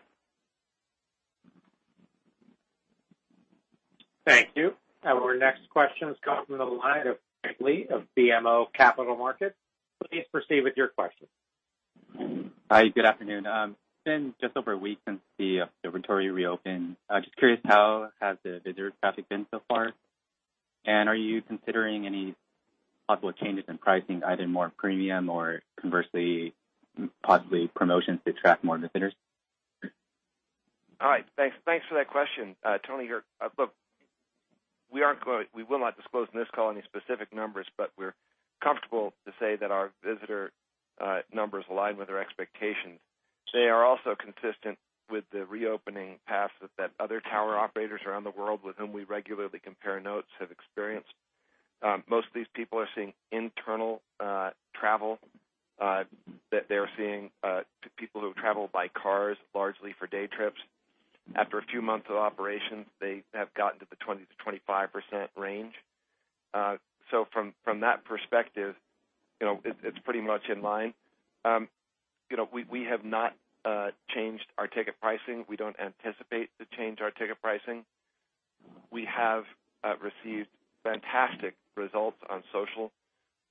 Thank you. Our next question has come from the line of Frank Lee of BMO Capital Markets. Please proceed with your question. Hi, good afternoon. It's been just over a week since The Observatory reopened. Just curious, how has the visitor traffic been so far? Are you considering any possible changes in pricing, either more premium or conversely, possibly promotions to attract more visitors? All right. Thanks for that question, Tony. Look, we will not disclose in this call any specific numbers, but we're comfortable to say that our visitor numbers align with our expectations. They are also consistent with the reopening paths that other tower operators around the world with whom we regularly compare notes have experienced. Most of these people are seeing internal travel, that they're seeing people who travel by cars largely for day trips. After a few months of operations, they have gotten to the 20%-25% range. From that perspective, it's pretty much in line. We have not changed our ticket pricing. We don't anticipate to change our ticket pricing. We have received fantastic results on social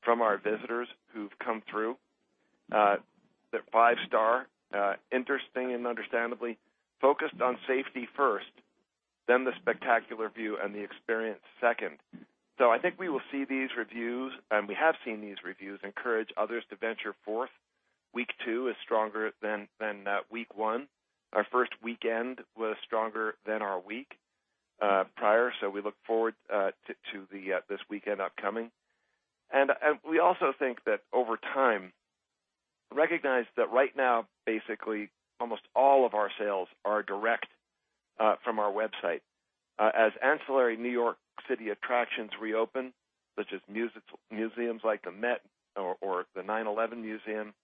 from our visitors who've come through. They're five-star, interestingly and understandably focused on safety first, then the spectacular view and the experience second. I think we will see these reviews, and we have seen these reviews encourage others to venture forth. Week two is stronger than week one. Our first weekend was stronger than our week prior. We look forward to this weekend upcoming. We also think that over time, recognize that right now, basically almost all of our sales are direct from our website. As ancillary New York City attractions reopen, such as museums like The Met or the 9/11 Museum,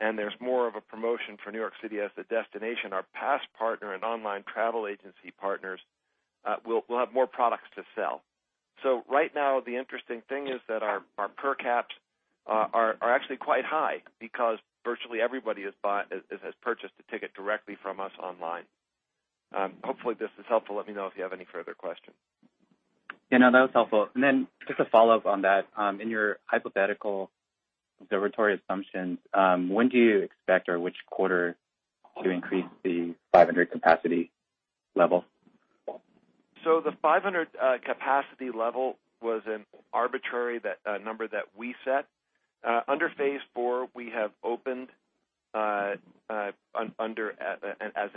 and there's more of a promotion for New York City as a destination, our pass partner and online travel agency partners will have more products to sell. Right now, the interesting thing is that our per caps are actually quite high because virtually everybody has purchased a ticket directly from us online. Hopefully, this is helpful. Let me know if you have any further questions. Yeah, no, that was helpful. Just a follow-up on that. In your hypothetical Observatory assumptions, when do you expect or which quarter to increase the 500 capacity level? The 500 capacity level was an arbitrary number that we set. Under phase IV, we have opened as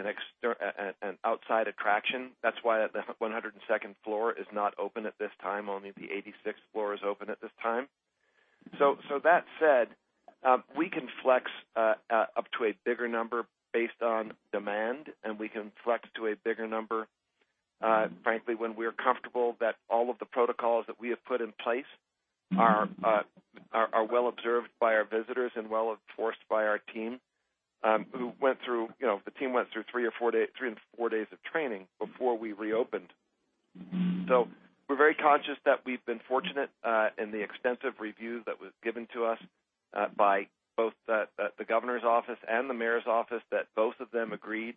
an outside attraction. That's why the 102nd floor is not open at this time. Only the 86th floor is open at this time. That said, we can flex up to a bigger number based on demand, and we can flex to a bigger number, frankly, when we are comfortable that all of the protocols that we have put in place are well observed by our visitors and well enforced by our team, who went through three and four days of training before we reopened. We're very conscious that we've been fortunate in the extensive review that was given to us by both the governor's office and the mayor's office, that both of them agreed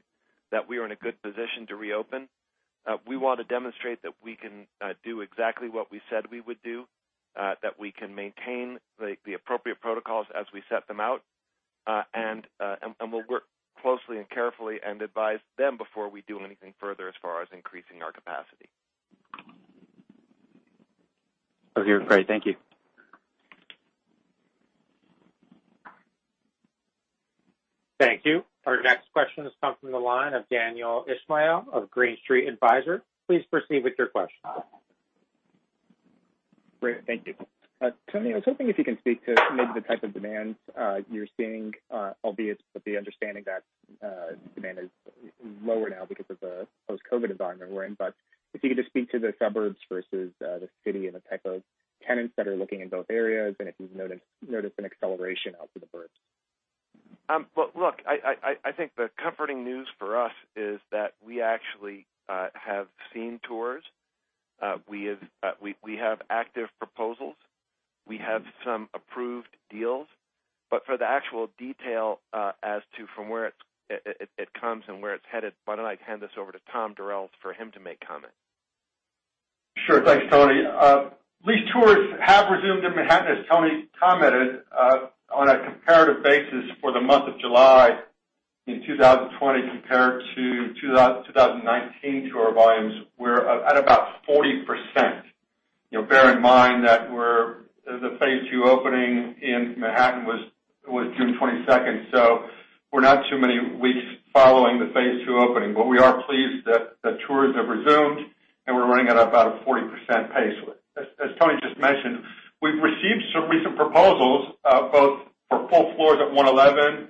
that we are in a good position to reopen. We want to demonstrate that we can do exactly what we said we would do, that we can maintain the appropriate protocols as we set them out. We'll work closely and carefully and advise them before we do anything further as far as increasing our capacity. Great. Thank you. Thank you. Our next question has come from the line of Daniel Ismail of Green Street Advisors. Please proceed with your question. Great. Thank you. Tony, I was hoping if you can speak to maybe the type of demands you're seeing, albeit with the understanding that demand is lower now because of the post-COVID environment we're in. If you could just speak to the suburbs versus the city and the type of tenants that are looking in both areas and if you've noticed an acceleration out to the burbs. Look, I think the comforting news for us is that we actually have seen tours. We have active proposals. We have some approved deals. For the actual detail as to from where it comes and where it's headed, why don't I hand this over to Tom Durels for him to make comment? Sure. Thanks, Tony. Lease tours have resumed in Manhattan, as Tony commented on a comparative basis for the month of July in 2020 compared to 2019 tour volumes were at about 40%. Bear in mind that the phase II opening in Manhattan was June 22nd. We're not too many weeks following the phase II opening. We are pleased that the tours have resumed, and we're running at about a 40% pace. As Tony just mentioned, we've received some recent proposals both for full floors at 111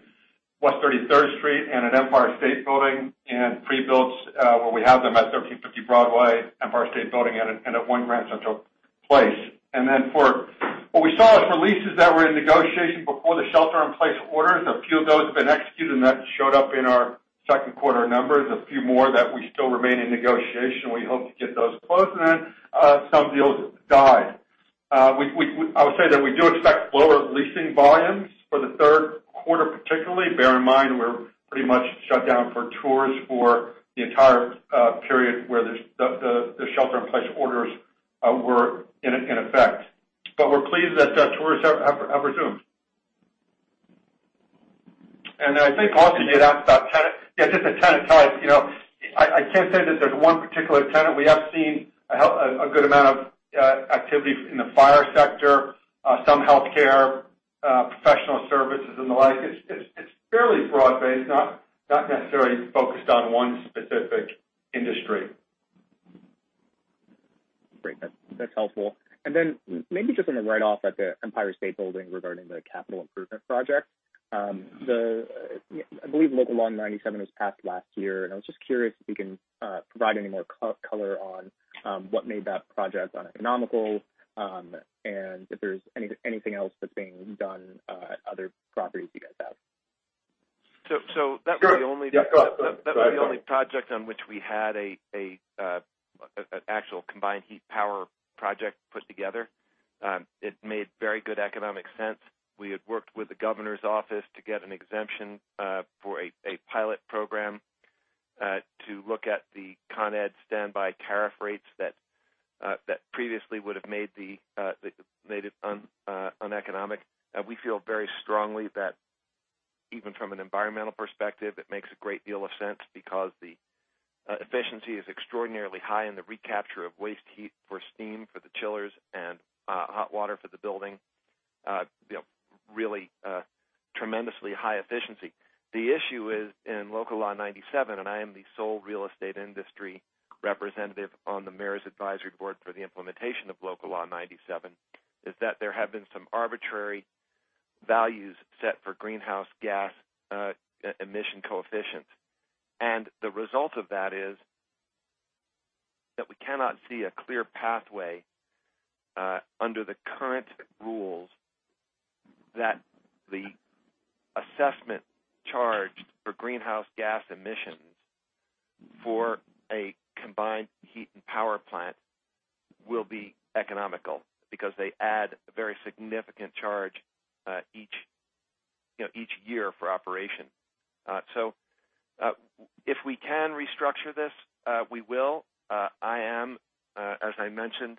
West 33rd Street and at Empire State Building and pre-builds where we have them at 1350 Broadway, Empire State Building, and at One Grand Central Place. What we saw was re-leases that were in negotiation before the shelter-in-place orders. A few of those have been executed, and that showed up in our second quarter numbers. A few more that we still remain in negotiation, we hope to get those closed. Some deals died. I would say that we do expect lower leasing volumes for the third quarter, particularly. Bear in mind, we're pretty much shut down for tours for the entire period where the shelter-in-place orders were in effect. We're pleased that tours have resumed. I think also you had asked about tenant. Yeah, just the tenant type. I can't say that there's one particular tenant. We have seen a good amount of activity in the FIRE sector, some healthcare, professional services, and the like. It's fairly broad-based, not necessarily focused on one specific industry. Great. That's helpful. Then maybe just on the write-off at the Empire State Building regarding the capital improvement project. I believe Local Law 97 was passed last year. I was just curious if you can provide any more color on what made that project uneconomical and if there's anything else that's being done at other properties you guys have. That was the only... Sure. Yeah, go ahead. Sorry. project on which we had an actual combined heat power project put together. It made very good economic sense. We had worked with the governor's office to get an exemption for a pilot program to look at the Con Ed standby tariff rates that previously would've made it uneconomic. We feel very strongly that, even from an environmental perspective, it makes a great deal of sense because the efficiency is extraordinarily high in the recapture of waste heat for steam for the chillers and hot water for the building. Really tremendously high efficiency. The issue is in Local Law 97, and I am the sole real estate industry representative on the Mayor's Advisory Board for the implementation of Local Law 97, is that there have been some arbitrary values set for greenhouse gas emission coefficients. The result of that is that we cannot see a clear pathway under the current rules that the assessment charged for greenhouse gas emissions for a combined heat and power plant will be economical because they add a very significant charge each year for operation. If we can restructure this, we will. I am, as I mentioned,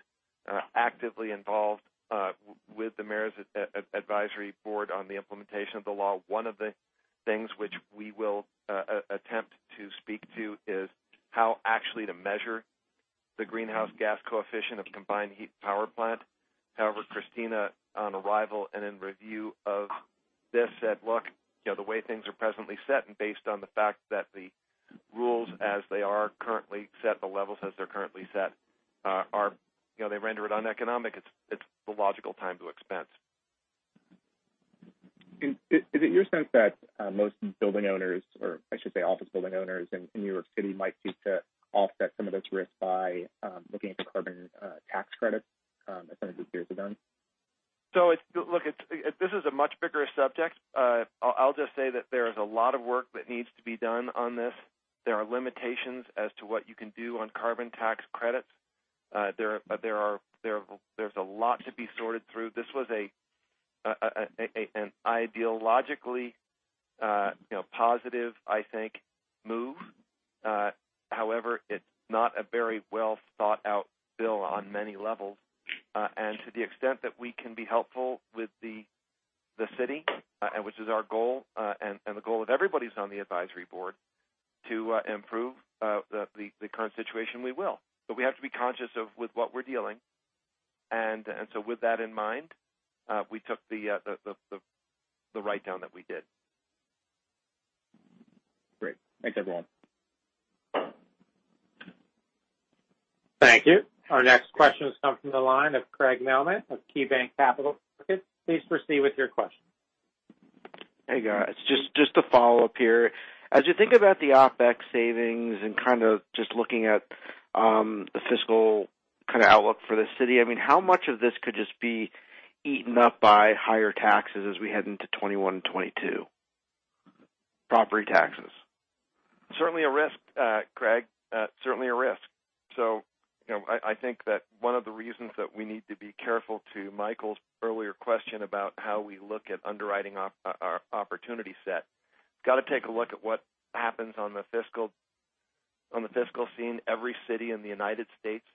actively involved with the Mayor's Advisory Board on the implementation of the law. One of the things which we will attempt to speak to is how actually to measure the greenhouse gas coefficient of combined heat power plant. However, Christina, on arrival and in review of this, said, "Look, the way things are presently set and based on the fact that the rules as they are currently set, the levels as they're currently set, they render it uneconomic. It's the logical time to expense. Is it your sense that most building owners, or I should say office building owners in New York City, might seek to offset some of this risk by looking at the carbon tax credits as some of these peers have done? Look, this is a much bigger subject. I'll just say that there is a lot of work that needs to be done on this. There are limitations as to what you can do on carbon tax credits. There's a lot to be sorted through. This was an ideologically positive, I think, move. However, it's not a very well-thought-out bill on many levels. To the extent that we can be helpful with the city, which is our goal, and the goal of everybody's on the advisory board to improve the current situation, we will. We have to be conscious of with what we're dealing, and so with that in mind, we took the write-down that we did. Great. Thanks, everyone. Thank you. Our next question is coming from the line of Craig Mailman of KeyBanc Capital Markets. Please proceed with your question. Hey, guys. Just a follow-up here. As you think about the OpEx savings and kind of just looking at the fiscal kind of outlook for the city, how much of this could just be eaten up by higher taxes as we head into 2021 and 2022? Property taxes. Certainly a risk, Craig. Certainly a risk. I think that one of the reasons that we need to be careful to Michael's earlier question about how we look at underwriting our opportunity set, got to take a look at what happens on the fiscal scene. Every city in the United States,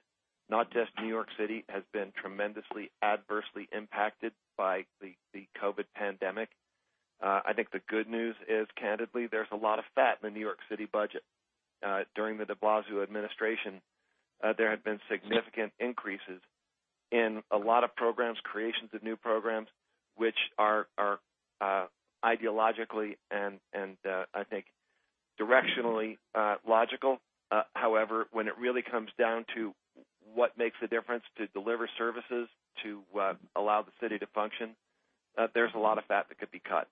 not just New York City, has been tremendously adversely impacted by the COVID pandemic. I think the good news is, candidly, there's a lot of fat in the New York City budget. During the de Blasio administration, there have been significant increases in a lot of programs, creations of new programs, which are ideologically and, I think, directionally logical. However, when it really comes down to what makes a difference to deliver services to allow the city to function, there's a lot of fat that could be cut.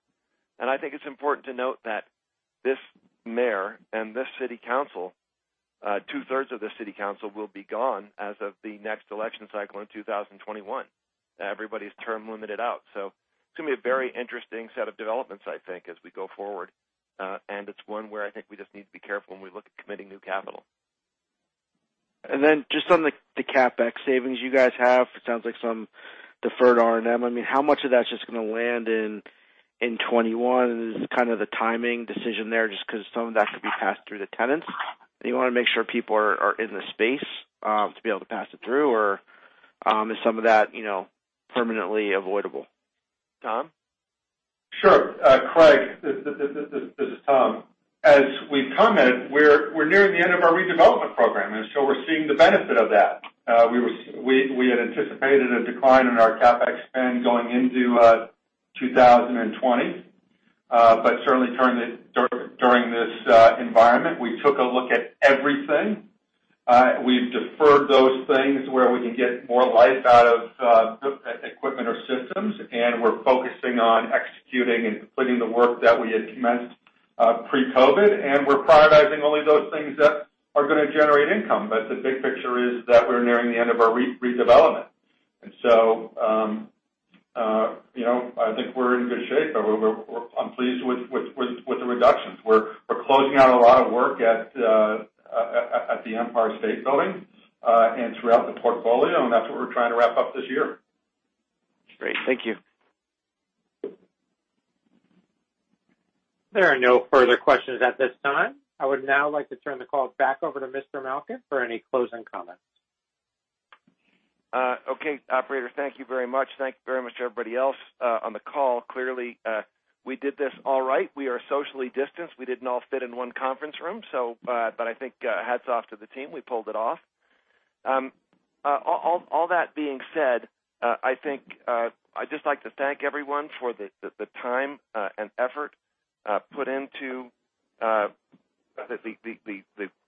I think it's important to note that this mayor and this city council, two-thirds of this city council will be gone as of the next election cycle in 2021. Everybody's term limited out. It's going to be a very interesting set of developments, I think, as we go forward. It's one where I think we just need to be careful when we look at committing new capital. Just on the CapEx savings you guys have, it sounds like some deferred R&M. How much of that's just going to land in 2021? Is kind of the timing decision there just because some of that could be passed through the tenants, and you want to make sure people are in the space to be able to pass it through? Is some of that permanently avoidable? Tom? Sure. Craig, this is Tom. As we've commented, we're nearing the end of our redevelopment program, and so we're seeing the benefit of that. We had anticipated a decline in our CapEx spend going into 2020. Certainly during this environment, we took a look at everything. We've deferred those things where we can get more life out of equipment or systems, and we're focusing on executing and completing the work that we had commenced pre-COVID-19, and we're prioritizing only those things that are going to generate income. The big picture is that we're nearing the end of our redevelopment. I think we're in good shape. I'm pleased with the reductions. We're closing out a lot of work at the Empire State Building and throughout the portfolio, and that's what we're trying to wrap up this year. Great. Thank you. There are no further questions at this time. I would now like to turn the call back over to Mr. Malkin for any closing comments. Okay, operator, thank you very much. Thanks very much to everybody else on the call. Clearly, we did this all right. We are socially distanced. We didn't all fit in one conference room. I think hats off to the team. We pulled it off. All that being said, I think I'd just like to thank everyone for the time and effort put into the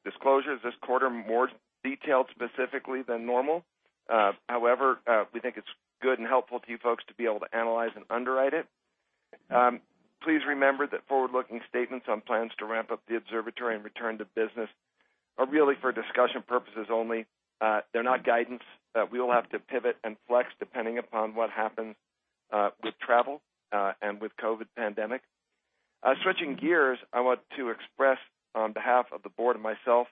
disclosures this quarter, more detailed specifically than normal. We think it's good and helpful to you folks to be able to analyze and underwrite it. Please remember that forward-looking statements on plans to ramp up The Observatory and return to business are really for discussion purposes only. They're not guidance. We will have to pivot and flex depending upon what happens with travel and with COVID pandemic. Switching gears, I want to express on behalf of the board and myself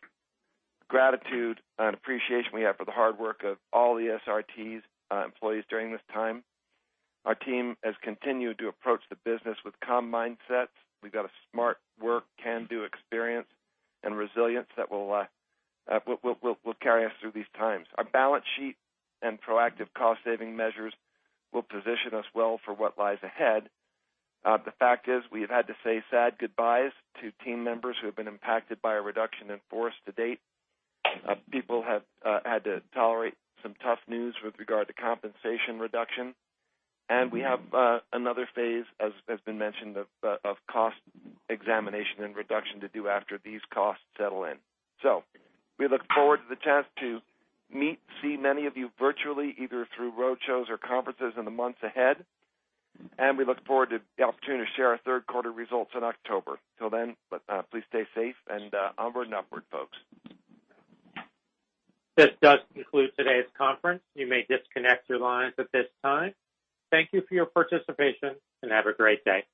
gratitude and appreciation we have for the hard work of all the ESRT's employees during this time. Our team has continued to approach the business with calm mindsets. We've got a smart work can-do experience and resilience that will carry us through these times. Our balance sheet and proactive cost-saving measures will position us well for what lies ahead. The fact is, we have had to say sad goodbyes to team members who have been impacted by a reduction in force to date. People have had to tolerate some tough news with regard to compensation reduction. We have another phase, as has been mentioned, of cost examination and reduction to do after these costs settle in. We look forward to the chance to meet, see many of you virtually, either through roadshows or conferences in the months ahead, and we look forward to the opportunity to share our third quarter results in October. Until then, please stay safe and onward and upward, folks. This does conclude today's conference. You may disconnect your lines at this time. Thank you for your participation. Have a great day.